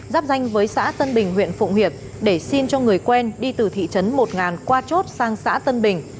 giáp danh với xã tân bình huyện phụng hiệp để xin cho người quen đi từ thị trấn một qua chốt sang xã tân bình